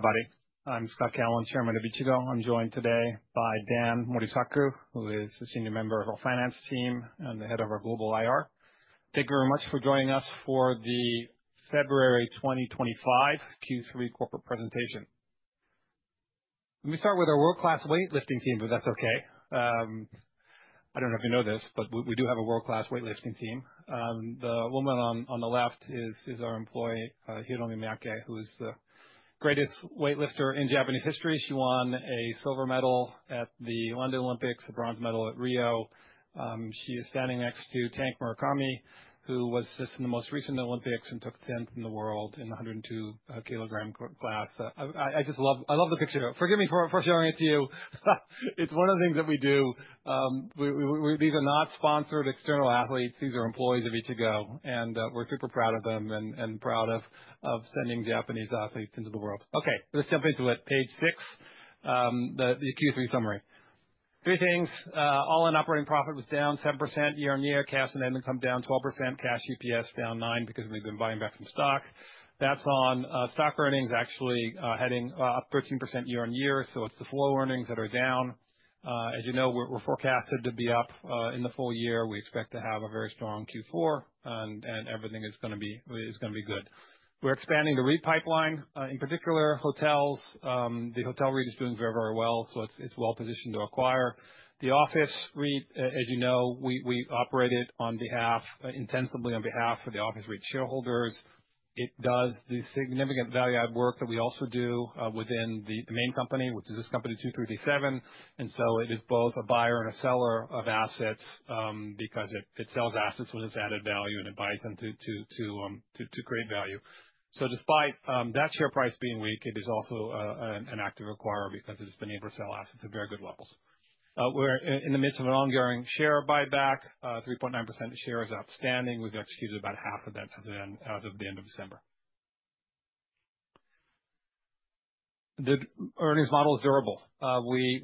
Hey, everybody. I'm Scott Callon, Chairman of Ichigo. I'm joined today by Dan Morisaku, who is a senior member of our finance team and the head of our global IR. Thank you very much for joining us for the February 2025 Q3 corporate presentation. Let me start with our world-class weightlifting team, if that's okay. I don't know if you know this, but we do have a world-class weightlifting team. The woman on the left is our employee, Hiromi Miyake, who is the greatest weightlifter in Japanese history. She won a silver medal at the London Olympics, a bronze medal at Rio. She is standing next to Tank Murakami, who was just in the most recent Olympics and took 10th in the world in the 102-kilogram class. I just love the picture. Forgive me for showing it to you. It's one of the things that we do. These are not sponsored external athletes. These are employees of Ichigo, and we're super proud of them and proud of sending Japanese athletes into the world. Okay, let's jump into it. Page six, the Q3 summary. Three things. All-In Operating Profit was down 7% year on year. Cash and admin come down 12%. Cash EPS down 9% because we've been buying back some stock. That's on stock earnings, actually heading up 13% year on year. So it's the flow earnings that are down. As you know, we're forecasted to be up in the full year. We expect to have a very strong Q4, and everything is going to be good. We're expanding the REIT pipeline. In particular, hotels. The hotel REIT is doing very, very well, so it's well-positioned to acquire. The office REIT, as you know, we operate it intensively on behalf of the office REIT shareholders. It does the significant value-add work that we also do within the main company, which is this company, 2337. And so it is both a buyer and a seller of assets because it sells assets with its added value, and it buys them to create value. So despite that share price being weak, it is also an active acquirer because it has been able to sell assets at very good levels. We're in the midst of an ongoing share buyback. 3.9% share is outstanding. We've executed about half of that as of the end of December. The earnings model is durable.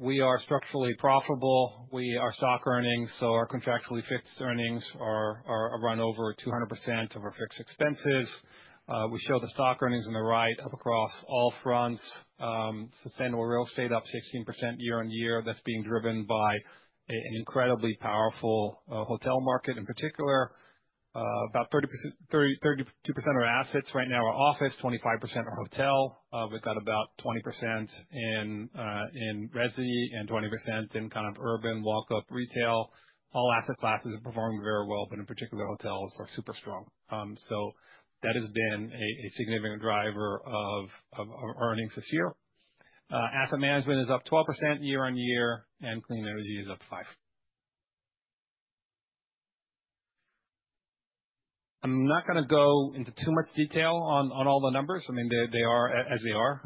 We are structurally profitable. We are stock earnings, so our contractually fixed earnings run over 200% of our fixed expenses. We show the stock earnings on the right up across all fronts. Sustainable real estate up 16% year on year. That's being driven by an incredibly powerful hotel market in particular. About 32% of our assets right now are office, 25% are hotel. We've got about 20% in residence and 20% in kind of urban, walk-up retail. All asset classes are performing very well, but in particular, hotels are super strong. So that has been a significant driver of our earnings this year. Asset management is up 12% year on year, and clean energy is up 5%. I'm not going to go into too much detail on all the numbers. I mean, they are as they are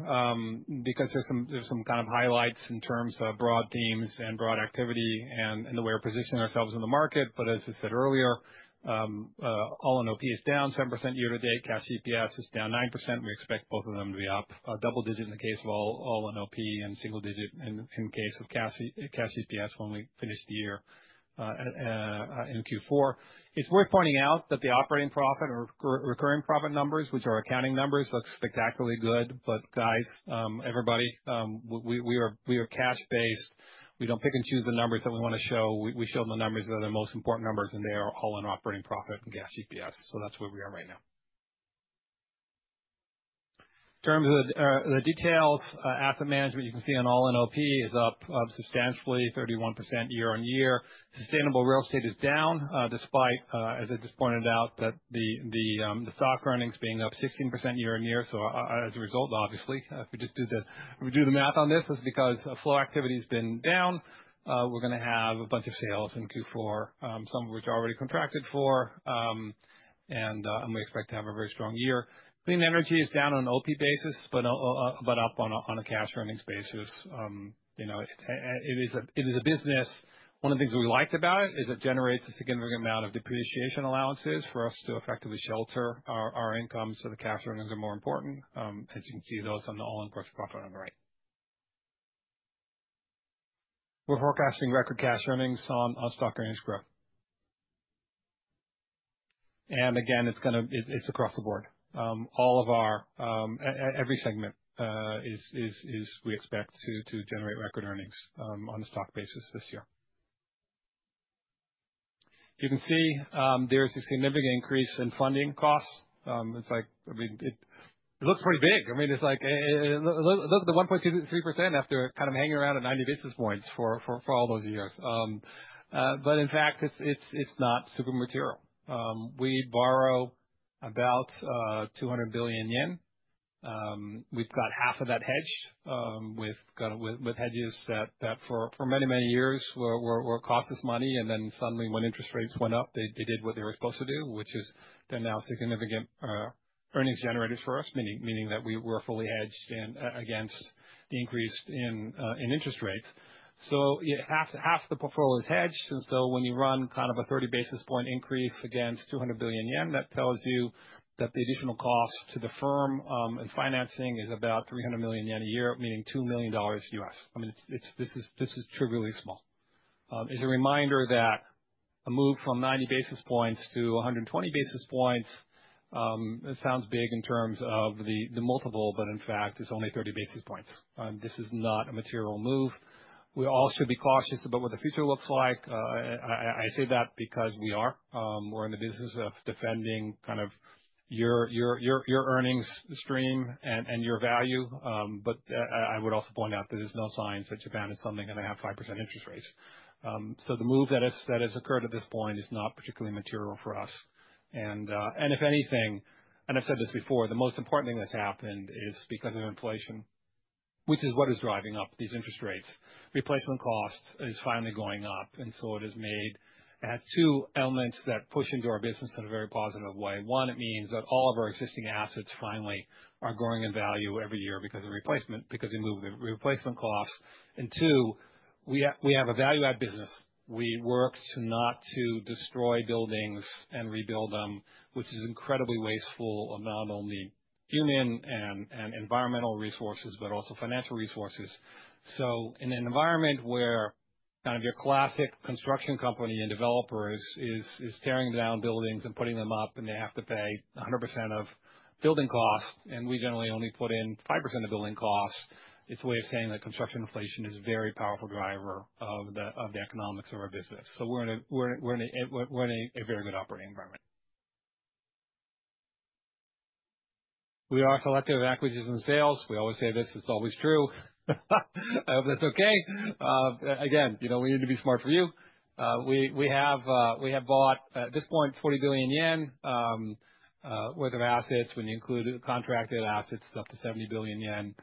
because there's some kind of highlights in terms of broad themes and broad activity and the way we're positioning ourselves in the market. But as I said earlier, All-In OP is down 7% year to date. Cash EPS is down 9%. We expect both of them to be up a double digit in the case of All-In OP and single digit in the case of cash EPS when we finish the year in Q4. It's worth pointing out that the operating profit or recurring profit numbers, which are accounting numbers, look spectacularly good. But guys, everybody, we are cash-based. We don't pick and choose the numbers that we want to show. We show them the numbers that are the most important numbers, and they are All-In Operating Profit and cash EPS. So that's where we are right now. In terms of the details, asset management, you can see in All-In OP is up substantially, 31% year on year. Sustainable real estate is down despite, as I just pointed out, the stock earnings being up 16% year on year. As a result, obviously, if we just do the math on this, it's because flow activity has been down. We're going to have a bunch of sales in Q4, some of which are already contracted for, and we expect to have a very strong year. Clean energy is down on an OP basis, but up on a cash earnings basis. It is a business. One of the things we liked about it is it generates a significant amount of depreciation allowances for us to effectively shelter our income. So the cash earnings are more important. As you can see, those on the All-In Operating Profit on the right. We're forecasting record cash earnings and stock earnings growth. and again, it's across the board. All of our segments is, we expect to generate record earnings on a stock basis this year. You can see there's a significant increase in funding costs. It's like, I mean, it looks pretty big. I mean, it's like, look at the 1.3% after kind of hanging around at 90 basis points for all those years. But in fact, it's not super material. We borrow about 200 billion yen. We've got half of that hedged with hedges that for many, many years were cost us money. And then suddenly, when interest rates went up, they did what they were supposed to do, which is they're now significant earnings generators for us, meaning that we were fully hedged against the increase in interest rates. So half the portfolio is hedged. And so when you run kind of a 30 basis point increase against 200 billion yen, that tells you that the additional cost to the firm and financing is about 300 million yen a year, meaning $2 million. I mean, this is trivially small. It's a reminder that a move from 90 basis points to 120 basis points, it sounds big in terms of the multiple, but in fact, it's only 30 basis points. This is not a material move. We all should be cautious about what the future looks like. I say that because we are. We're in the business of defending kind of your earnings stream and your value. But I would also point out that there's no signs that Japan is something going to have 5% interest rates. So the move that has occurred at this point is not particularly material for us. And if anything, and I've said this before, the most important thing that's happened is because of inflation, which is what is driving up these interest rates. Replacement cost is finally going up. And so it has made two elements that push into our business in a very positive way. One, it means that all of our existing assets finally are growing in value every year because of replacement cost, because they move the eeplacement costs. And two, we have a value-add business. We work to not destroy buildings and rebuild them, which is incredibly wasteful of not only human and environmental resources, but also financial resources. So in an environment where kind of your classic construction company and developers are tearing down buildings and putting them up, and they have to pay 100% of building costs, and we generally only put in 5% of building costs, it's a way of saying that construction inflation is a very powerful driver of the economics of our business. So we're in a very good operating environment. We are selective acquisitions and sales. We always say this. It's always true. I hope that's okay. Again, we need to be smart for you. We have bought, at this point, 40 billion yen worth of assets. When you include contracted assets, it's up to 70 billion yen.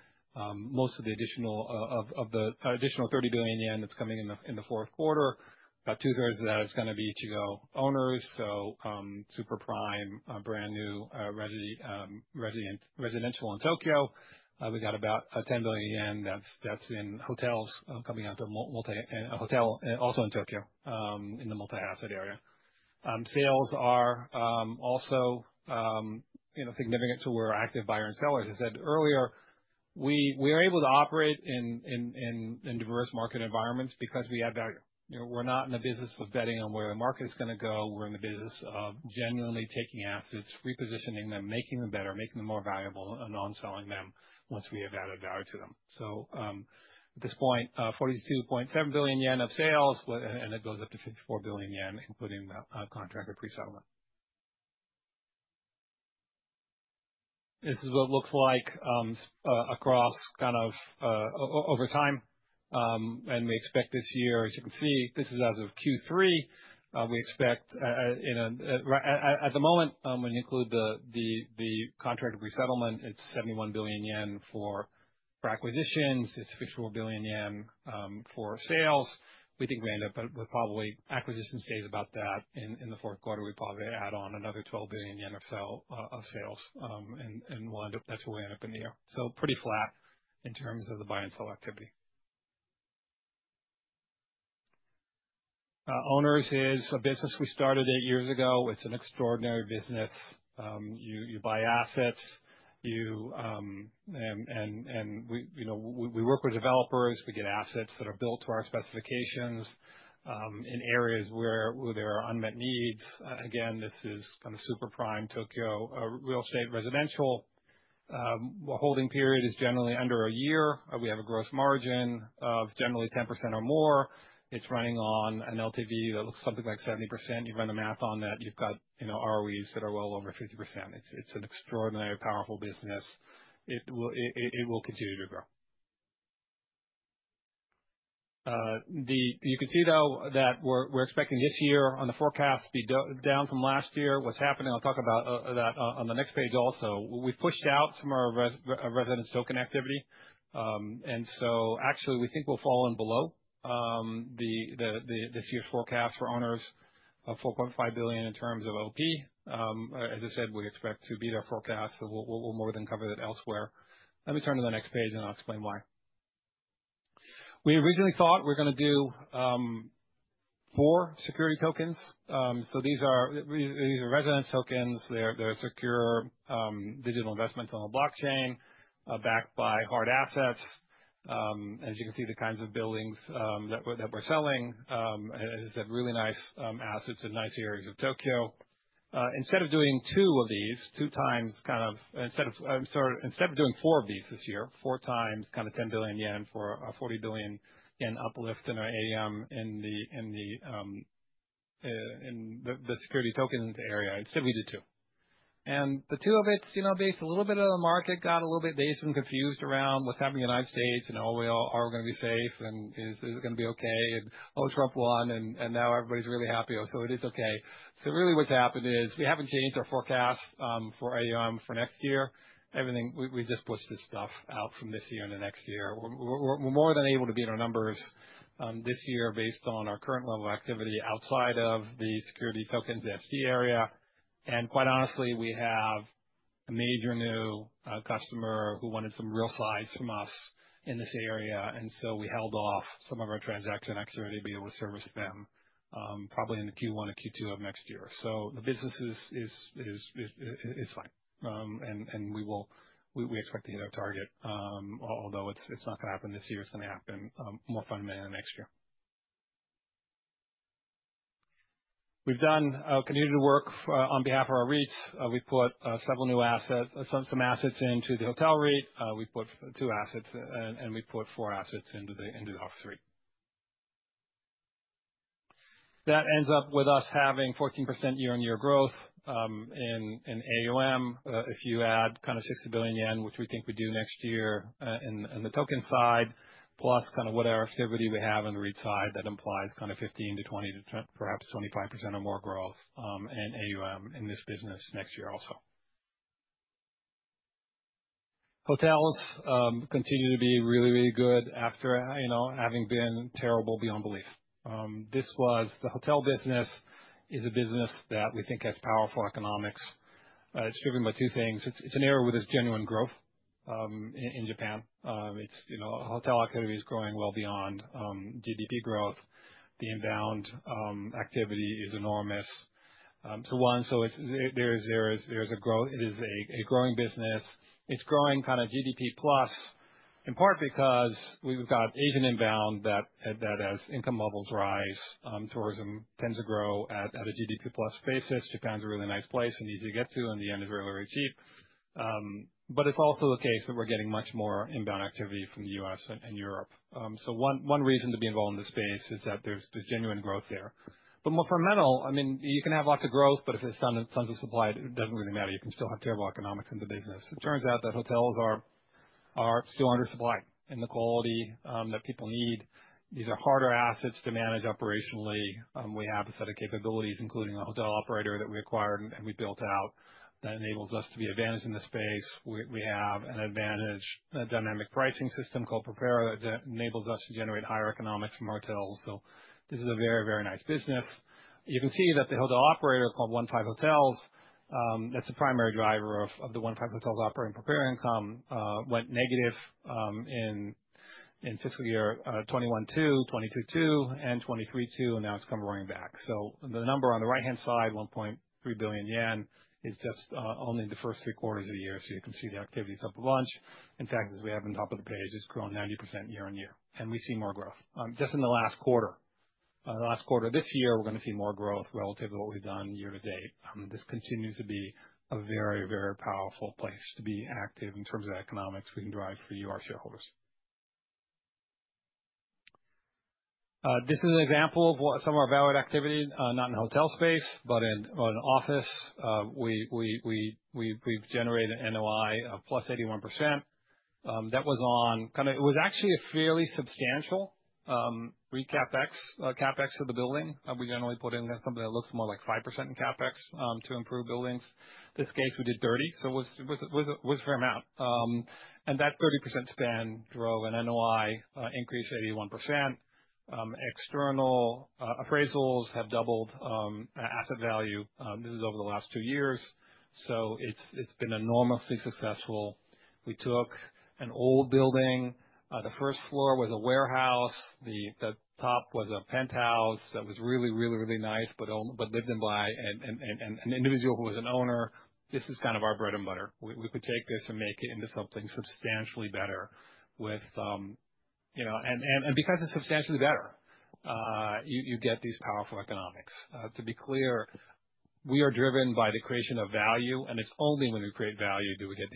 Most of the additional 30 billion yen that's coming in the fourth quarter, about two-thirds of that is going to be Ichigo Owners. So super prime, brand new residential in Tokyo. We got about 10 billion yen. That's in hotels coming out of multi-hotel, also in Tokyo, in the multi-asset era. Sales are also significant to where active buyers and sellers. I said earlier, we are able to operate in diverse market environments because we add value. We're not in the business of betting on where the market is going to go. We're in the business of genuinely taking assets, repositioning them, making them better, making them more valuable, and on-selling them once we have added value to them. So at this point, 42.7 billion yen of sales, and it goes up to 54 billion yen, including contracted pre-settlement. This is what it looks like across kind of over time. And we expect this year, as you can see, this is as of Q3. We expect at the moment, when you include the contracted pre-settlement, it's 71 billion yen for acquisitions. It's 54 billion yen for sales. We think we end up with probably acquisition stays about that. In the fourth quarter, we probably add on another 12 billion yen or so of sales, and that's where we end up in the year, so pretty flat in terms of the buy and sell activity. Owners is a business we started eight years ago. It's an extraordinary business. You buy assets, and we work with developers. We get assets that are built to our specifications in areas where there are unmet needs. Again, this is kind of super prime Tokyo real estate residential. Holding period is generally under a year. We have a gross margin of generally 10% or more. It's running on an LTV that looks something like 70%. You run the math on that. You've got ROEs that are well over 50%. It's an extraordinarily powerful business. It will continue to grow. You can see, though, that we're expecting this year on the forecast to be down from last year. What's happening? I'll talk about that on the next page also. We've pushed out some of our Residence Token activity. And so actually, we think we'll fall in below this year's forecast for owners of 4.5 billion JPY in terms of OP. As I said, we expect to beat our forecast, so we'll more than cover that elsewhere. Let me turn to the next page, and I'll explain why. We originally thought we were going to do four security tokens. So these are Residence Tokens. They're secure digital investments on the blockchain backed by hard assets. As you can see, the kinds of buildings that we're selling, as I said, really nice assets and nice areas of Tokyo. Instead of doing two of these two times kind of instead of doing four of these this year four times kind of 10 billion yen for a 40 billion yen uplift in the security tokens area, instead we did two. The two of it is based a little bit on the market, got a little bit based and confused around what's happening in the United States. Are we going to be safe? Is it going to be okay? Oh, Trump won, and now everybody's really happy. It is okay. Really what's happened is we haven't changed our forecast for next year. We just pushed this stuff out from this year into next year. We're more than able to beat our numbers this year based on our current level of activity outside of the security tokens ST area. And quite honestly, we have a major new customer who wanted some real size from us in this area. And so we held off some of our transaction activity to be able to service them probably in the Q1 and Q2 of next year. So the business is fine. And we expect to hit our target, although it's not going to happen this year. It's going to happen more fundamentally in the next year. We've continued to work on behalf of our REITs. We put some assets into the hotel REIT. We put two assets, and we put four assets into the office REIT. That ends up with us having 14% year-on-year growth in AUM. If you add kind of 60 billion yen, which we think we do next year in the token side, plus kind of whatever activity we have on the REIT side, that implies kind of 15%-20%, perhaps 25% or more growth in AUM in this business next year also. Hotels continue to be really, really good after having been terrible beyond belief. The hotel business is a business that we think has powerful economics. It's driven by two things. It's an area with genuine growth in Japan. Hotel activity is growing well beyond GDP growth. The inbound activity is enormous. So one, there is a growth. It is a growing business. It's growing kind of GDP plus, in part because we've got Asian inbound that has income levels rise. Tourism tends to grow at a GDP plus basis. Japan's a really nice place and easy to get to, and the yen is really, really cheap. But it's also the case that we're getting much more inbound activity from the U.S. and Europe. So one reason to be involved in the space is that there's genuine growth there. But more fundamental, I mean, you can have lots of growth, but if it's tons of supply, it doesn't really matter. You can still have terrible economics in the business. It turns out that hotels are still undersupplied in the quality that people need. These are harder assets to manage operationally. We have a set of capabilities, including a hotel operator that we acquired and we built out, that enables us to be advantaged in the space. We have an advanced dynamic pricing system called PROPERA that enables us to generate higher economics from hotels. So this is a very, very nice business. You can see that the hotel operator called One Five Hotels, that's the primary driver of the One Five Hotels operating PROPERA income, went negative in fiscal year 2021-22, 2022-23, and 2023-24, and now it's come roaring back. So the number on the right-hand side, 1.3 billion yen, is just only the first three quarters of the year. So you can see the activity is up a bunch. In fact, as we have on top of the page, it's grown 90% year on year. And we see more growth. Just in the last quarter, the last quarter of this year, we're going to see more growth relative to what we've done year to date. This continues to be a very, very powerful place to be active in terms of economics we can drive for you, our shareholders. This is an example of some of our value-add activity, not in the hotel space, but in office. We've generated an NOI of +81%. That was on kind of actually a fairly substantial recap, CapEx of the building. We generally put in something that looks more like 5% in CapEx to improve buildings. In this case, we did 30, so it was a fair amount and that 30% spend drove an NOI increase of 81%. External appraisals have doubled asset value. This is over the last two years, so it's been enormously successful. We took an old building. The first floor was a warehouse. The top was a penthouse that was really, really, really nice, but lived in by an individual who was an owner. This is kind of our bread and butter. We could take this and make it into something substantially better, and because it's substantially better, you get these powerful economics. To be clear, we are driven by the creation of value, and it's only when we create value do we get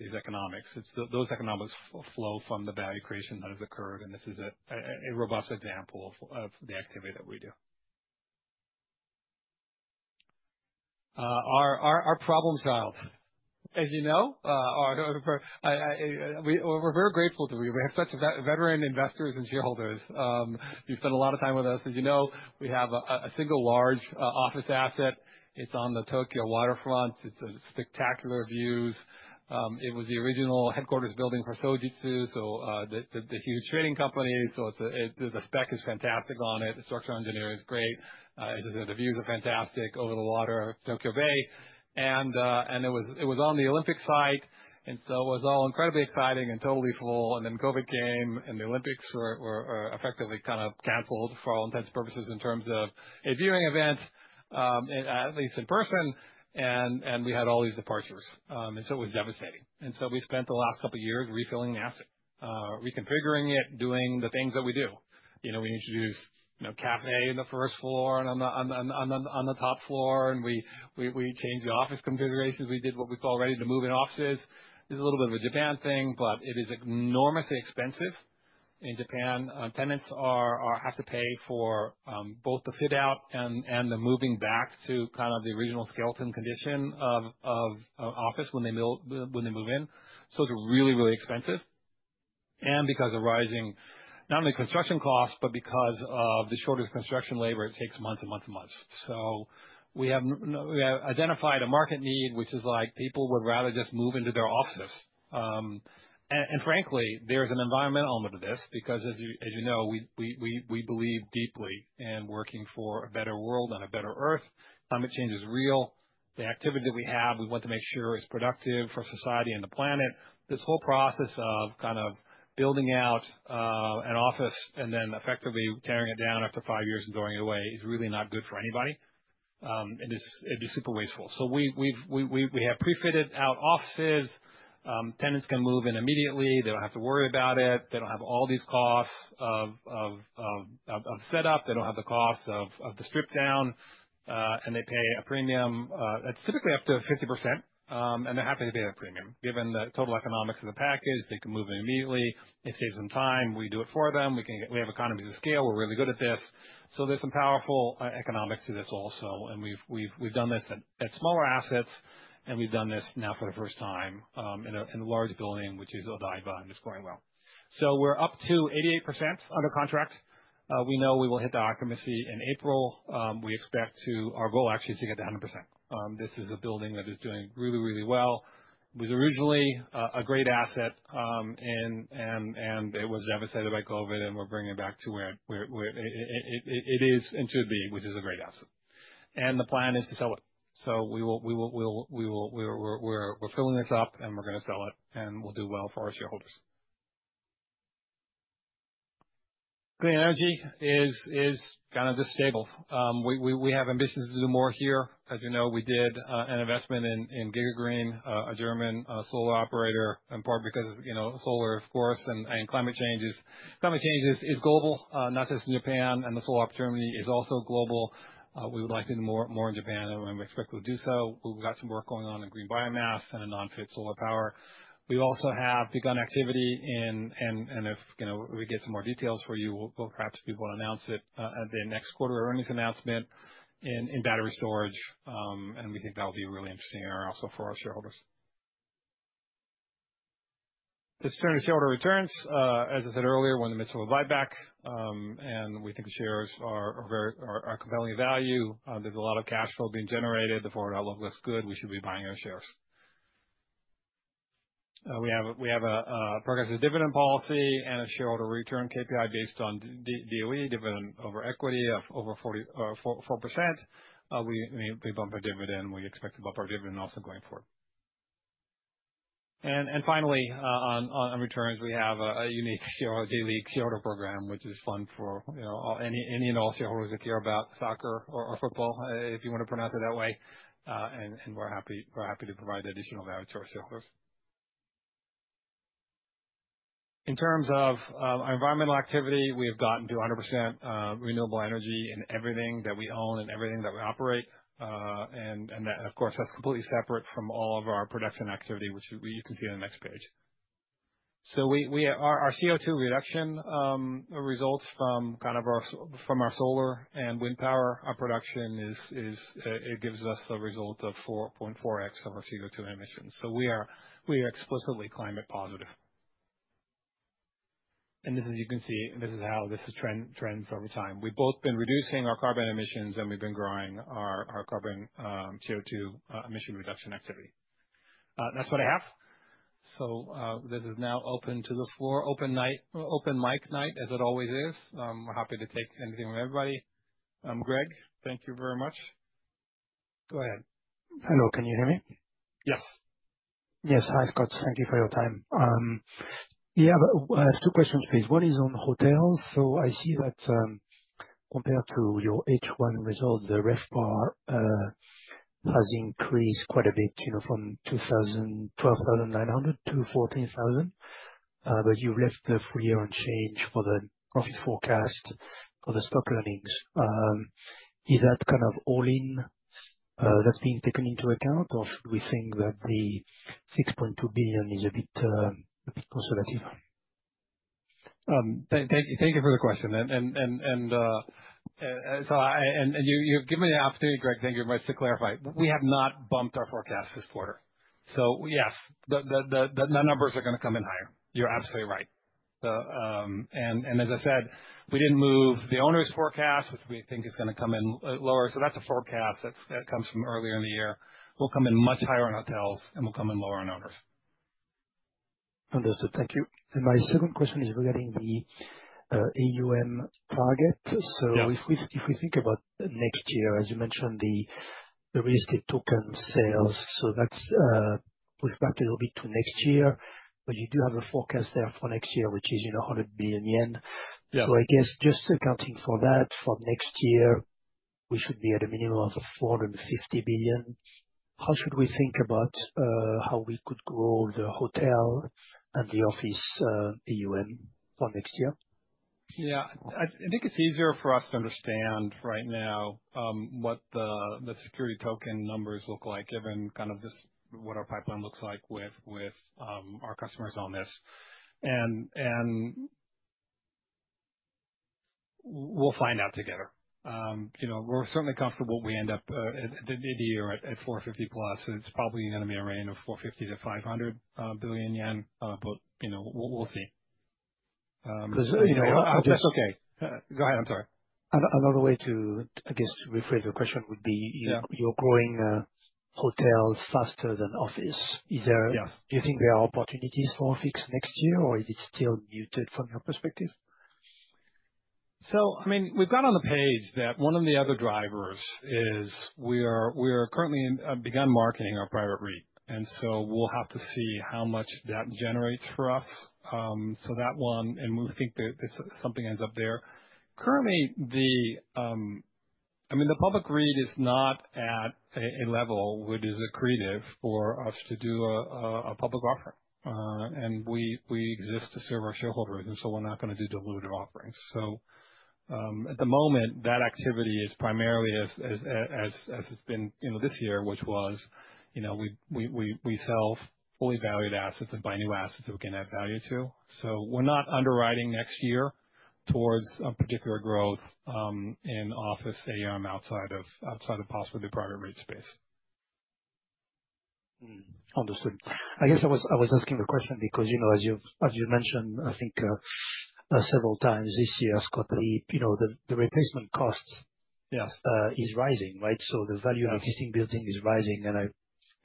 these economics. Those economics flow from the value creation that has occurred, and this is a robust example of the activity that we do. Our problem child, as you know, we're very grateful to you. We have such veteran investors and shareholders. You've spent a lot of time with us. As you know, we have a single large office asset. It's on the Tokyo waterfront. It's spectacular views. It was the original headquarters building for Sojitz, so the huge trading company. So the spec is fantastic on it. The structural engineering is great. The views are fantastic over the water of Tokyo Bay. It was on the Olympic site, and so it was all incredibly exciting and totally full. Then COVID came, and the Olympics were effectively kind of canceled for all intents and purposes in terms of a viewing event, at least in person, and we had all these departures. It was devastating. We spent the last couple of years refilling the asset, reconfiguring it, doing the things that we do. We introduced cafe in the first floor and on the top floor, and we changed the office configurations. We did what we call ready-to-move-in offices. This is a little bit of a Japan thing, but it is enormously expensive in Japan. Tenants have to pay for both the fit-out and the moving back to kind of the original skeleton condition of office when they move in. It's really, really expensive. Because of rising not only construction costs, but because of the shortage of construction labor, it takes months and months and months. We have identified a market need, which is like people would rather just move into their offices. Frankly, there's an environmental element to this because, as you know, we believe deeply in working for a better world and a better Earth. Climate change is real. The activity that we have, we want to make sure is productive for society and the planet. This whole process of kind of building out an office and then effectively tearing it down after five years and throwing it away is really not good for anybody. It is super wasteful. We have prefitted out offices. Tenants can move in immediately. They don't have to worry about it. They don't have all these costs of setup. They don't have the cost of the strip down, and they pay a premium. It's typically up to 50%, and they're happy to pay that premium. Given the total economics of the package, they can move in immediately. It saves them time. We do it for them. We have economies of scale. We're really good at this, so there's some powerful economics to this also, and we've done this at smaller assets, and we've done this now for the first time in a large building, which is Odaiba, and it's going well, so we're up to 88% under contract. We know we will hit the occupancy in April. Our goal actually is to get to 100%. This is a building that is doing really, really well. It was originally a great asset, and it was devastated by COVID, and we're bringing it back to where it is and should be, which is a great asset. And the plan is to sell it. So we're filling this up, and we're going to sell it, and we'll do well for our shareholders. Clean energy is kind of just stable. We have ambitions to do more here. As you know, we did an investment in GigaGreen, a German solar operator, in part because of solar, of course, and climate change is global, not just in Japan. And the solar opportunity is also global. We would like to do more in Japan, and we expect to do so. We've got some work going on in green biomass and a non-FIT solar power. We also have begun activity, and if we get some more details for you, we'll perhaps be able to announce it at the next quarter earnings announcement in battery storage, and we think that will be really interesting also for our shareholders. This turn to shareholder returns. As I said earlier, we're in the midst of a buyback, and we think the shares are compelling value. There's a lot of cash flow being generated. The forward outlook looks good. We should be buying our shares. We have a progressive dividend policy and a shareholder return KPI based on DOE, dividend over equity of over 4%. We bump our dividend. We expect to bump our dividend also going forward. Finally, on returns, we have a unique daily shareholder program, which is fun for any and all shareholders that care about soccer or football, if you want to pronounce it that way. We're happy to provide additional value to our shareholders. In terms of environmental activity, we have gotten to 100% renewable energy in everything that we own and everything that we operate. That, of course, that's completely separate from all of our production activity, which you can see on the next page. Our CO2 reduction results from our solar and wind power. Our production gives us a result of 4.4x of our CO2 emissions. We are explicitly climate positive. As you can see, this is how this trends over time. We've both been reducing our carbon emissions, and we've been growing our carbon CO2 emission reduction activity. That's what I have. So this is now open to the floor, open mic night, as it always is. We're happy to take anything from everybody. Greg, thank you very much. Go ahead. Hello, can you hear me? Yes. Yes. Hi, Scott. Thank you for your time. Yeah, two questions, please. One is on hotels. So I see that compared to your H1 result, the ref bar has increased quite a bit from 12,900-14,000. But you've left the full year unchanged for the profit forecast for the stock earnings. Is that kind of all-in that's being taken into account, or should we think that the 6.2 billion is a bit conservative? Thank you for the question. And so you've given me an opportunity, Greg, thank you, and I'd like to clarify. We have not bumped our forecast this quarter. So yes, the numbers are going to come in higher. You're absolutely right. And as I said, we didn't move the owners' forecast, which we think is going to come in lower. So that's a forecast that comes from earlier in the year. We'll come in much higher on hotels, and we'll come in lower on owners. Understood. Thank you. And my second question is regarding the AUM target. So if we think about next year, as you mentioned, the real estate token sales. So that's pushed back a little bit to next year, but you do have a forecast there for next year, which is 100 billion yen. So I guess just accounting for that, for next year, we should be at a minimum of 450 billion JPY. How should we think about how we could grow the hotel and the office AUM for next year? Yeah. I think it's easier for us to understand right now what the security token numbers look like, given kind of what our pipeline looks like with our customers on this, and we'll find out together. We're certainly comfortable we end up at the year at 450 billion plus. It's probably going to be a range of 450 billion-500 billion yen, but we'll see. That's okay. Go ahead. I'm sorry. Another way to, I guess, rephrase your question would be you're growing hotels faster than offices. Do you think there are opportunities for acquisitions next year, or is it still muted from your perspective? I mean, we've got on the page that one of the other drivers is we've begun marketing our private REIT, and so we'll have to see how much that generates for us. That one, and we think something ends up there. Currently, I mean, the public REIT is not at a level where it is accretive for us to do a public offering. And we exist to serve our shareholders, and so we're not going to do diluted offerings. So at the moment, that activity is primarily as it's been this year, which was we sell fully valued assets and buy new assets that we can add value to. So we're not underwriting next year towards a particular growth in office AUM outside of possibly the private REIT space. Understood. I guess I was asking a question because, as you've mentioned, I think several times this year, Scott, the replacement cost is rising, right? So the value of existing buildings is rising. And I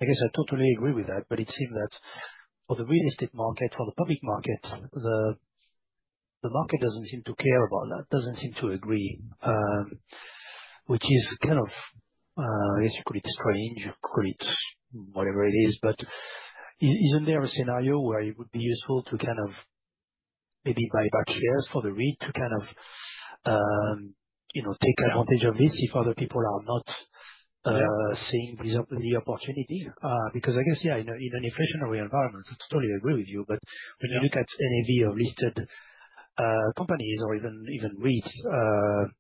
guess I totally agree with that, but it seems that for the real estate market, for the public market, the market doesn't seem to care about that, doesn't seem to agree, which is kind of, I guess you could call it strange, you could call it whatever it is. But isn't there a scenario where it would be useful to kind of maybe buy back shares for the REIT to kind of take advantage of this if other people are not seeing the opportunity? Because I guess, yeah, in an inflationary environment, I totally agree with you. But when you look at any of the listed companies or even REITs,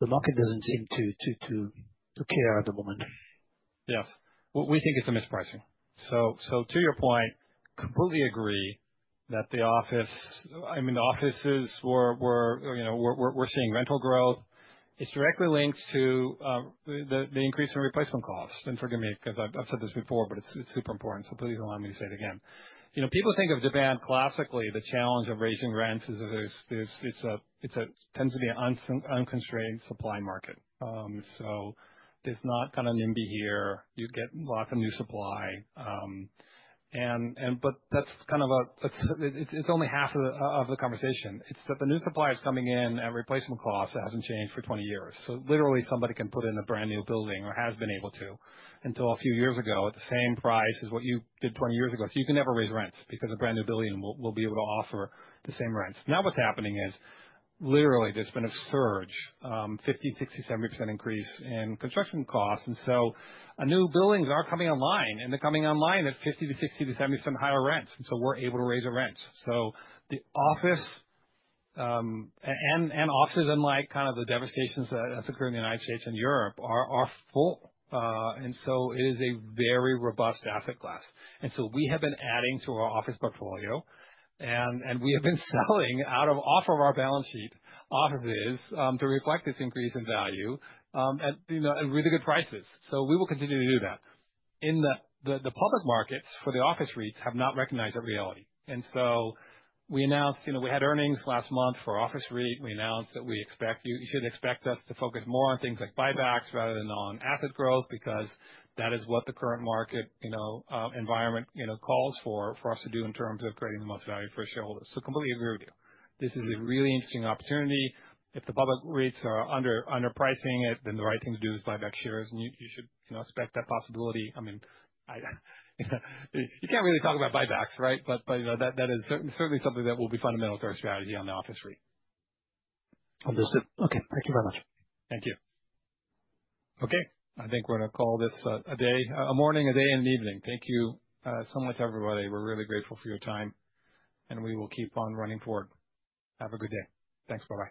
the market doesn't seem to care at the moment. Yes. We think it's a mispricing. So to your point, completely agree that the office, I mean, the offices, we're seeing rental growth. It's directly linked to the increase in replacement costs. And forgive me because I've said this before, but it's super important. So please allow me to say it again. People think of Japan classically. The challenge of raising rents is that it tends to be an unconstrained supply market. So there's not kind of NIMBY here. You get lots of new supply. But that's kind of, it's only half of the conversation. It's that the new supply is coming in, and replacement cost hasn't changed for 20 years. So literally, somebody can put in a brand new building or has been able to until a few years ago at the same price as what you did 20 years ago. So you can never raise rents because a brand new building will be able to offer the same rents. Now what's happening is literally there's been a surge, 50%-60%-70% increase in construction costs. And so new buildings are coming online, and they're coming online at 50%-60%-70% higher rents. And so we're able to raise our rents. So the office REITs and offices unlike kind of the devastations that have occurred in the United States and Europe are full. And so it is a very robust asset class. And so we have been adding to our office portfolio, and we have been selling out of off of our balance sheet offices to reflect this increase in value at really good prices. So we will continue to do that. In the public markets, for the office REITs have not recognized that reality. And so we announced we had earnings last month for office REIT. We announced that we should expect us to focus more on things like buybacks rather than on asset growth because that is what the current market environment calls for us to do in terms of creating the most value for shareholders. So completely agree with you. This is a really interesting opportunity. If the public markets are underpricing it, then the right thing to do is buy back shares, and you should expect that possibility. I mean, you can't really talk about buybacks, right? But that is certainly something that will be fundamental to our strategy on the office REIT. Understood. Okay. Thank you very much. Thank you. Okay. I think we're going to call this a day, a morning, a day, and an evening. Thank you so much, everybody. We're really grateful for your time, and we will keep on running forward. Have a good day. Thanks very much.